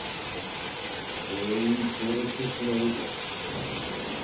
全員殺してしまおうか。